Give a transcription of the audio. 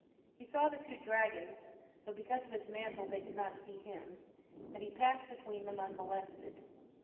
He saw the two dragons, but because of his mantle they could not see him, and he passed between 192 them unmolested.